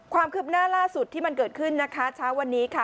ความคืบหน้าล่าสุดที่มันเกิดขึ้นนะคะเช้าวันนี้ค่ะ